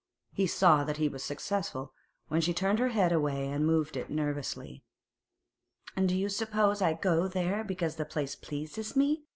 He saw that he was successful when she turned her head away and moved it nervously. 'And do you suppose I go there because the place pleases me?